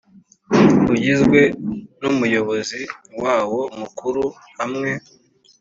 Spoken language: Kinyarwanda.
Ugizwe n Umuyobozi wawo Mukuru hamwe